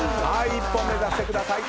一本目指してください。